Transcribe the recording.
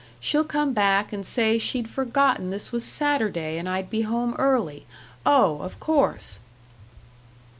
She'll come back and say she'd forgotten this was Saturday and I'd be home early! Oh, of course!"